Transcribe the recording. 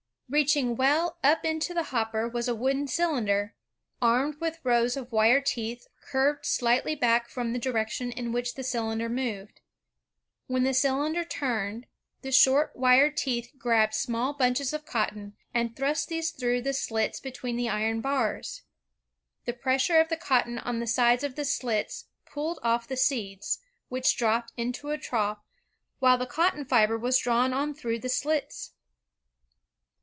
Reaching well up into the hopper was a wooden cylinder, armed with rows of wire teeth curved sHghtly back from the direction in which the cylinder moved. When the cylinder turned, the short wire teeth grabbed small bunches of cotton, and thrust these through the slits between the iron bars. The pressure of the cotton on the sides of the slits pulled off the seeds, which dropped into a trough, while the cotton fiber was drawn on through the slits.